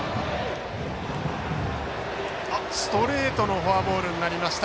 ストレートのフォアボールになりました。